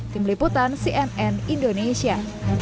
tim liputan cnn indonesia